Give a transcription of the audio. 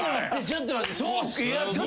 ちょっと待って。